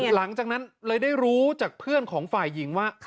หลังจากนั้นเลยได้รู้จากเพื่อนของฝ่ายหญิงว่า